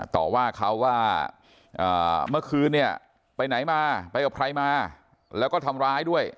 ต่อว่าเขาว่าเมื่อคืนเนี่ยไปไหนมาไปกับใครมาแล้วก็ทำร้ายด้วย